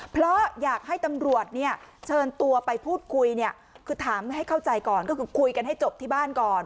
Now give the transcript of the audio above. เพราะอยากให้ตำรวจเนี่ยเชิญตัวไปพูดคุยเนี่ยคือถามให้เข้าใจก่อนก็คือคุยกันให้จบที่บ้านก่อน